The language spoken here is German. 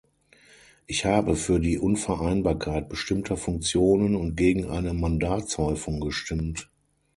Ich habe für die Unvereinbarkeit bestimmter Funktionen und gegen eine Mandatshäufung gestimmt.